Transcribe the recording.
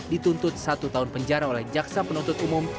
dituntut satu tahun penjara oleh jaksa penuntut umum